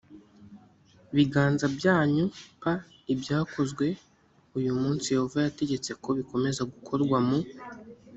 biganza byanyu p ibyakozwe uyu munsi yehova yategetse ko bikomeza gukorwa mu